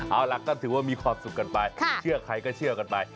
เอาล่ะก็ถือว่ามีความสุขกันไปเชื่อใครก็เชื่อกันไป